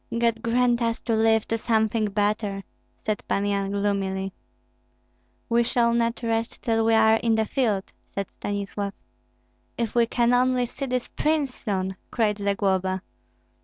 God grant us to live to something better!" said Pan Yan, gloomily. "We shall not rest till we are in the field," said Stanislav. "If we can only see this prince soon!" cried Zagloba.